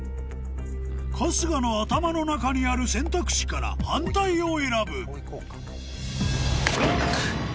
春日の頭の中にある選択肢から反対を選ぶＬＯＣＫ！